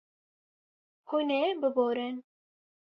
Hûn ê biborin.